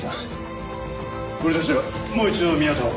俺たちはもう一度宮田を。